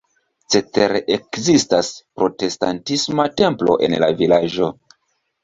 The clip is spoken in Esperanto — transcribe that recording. Cetere ekzistas protestantisma templo en la vilaĝo.